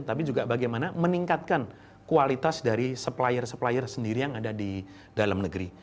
tapi juga bagaimana meningkatkan kualitas dari supplier supplier sendiri yang ada di dalam negeri